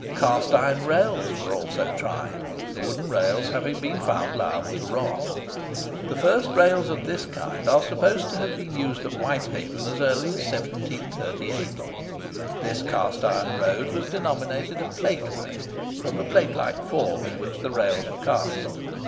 Cast iron rails were also tried, the wooden rails having been found liable to rot. The first rails of this kind are supposed to have been used at Whitehaven as early as 1738. This cast iron road was denominated a "plate way," from the plate like form in which the rails were cast.